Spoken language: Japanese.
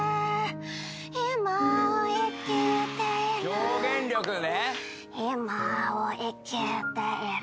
表現力ね。